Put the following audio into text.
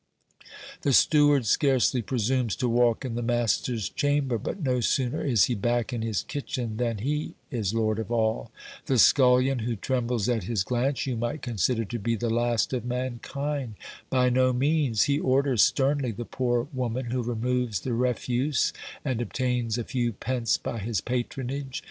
The steward scarcely presumes to walk in the master's chamber, but no sooner is he back in his kitchen, than he is lord of all. The scullion who trembles at his glance you might consider to be the last of mankind. By no means ; he orders sternly the poor woman who removes the refuse and obtains a few pence by his patronage.